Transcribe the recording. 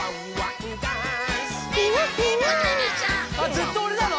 ずっとおれなの？